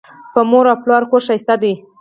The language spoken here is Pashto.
په مور او پلار کور ښایسته دی